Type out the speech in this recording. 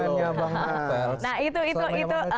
nah itu itu itu